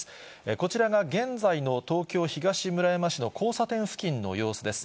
こちらが現在の東京・東村山市の交差点付近の様子です。